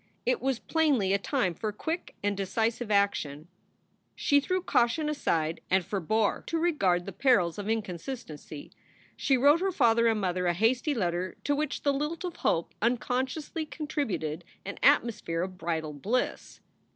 It was plainly a time for quick and decisive action. SOULS FOR SALE 95 She threw caution aside and forbore to regard the perils of inconsistency. She wrote her father and mother a hasty letter to which the lilt of hope unconsciously contributed an atmosphere of bridal bliss.